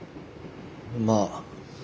まあ。